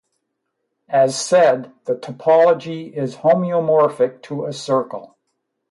As said, the topology is homeomorphic to a circle.